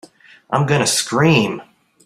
I'm going to scream!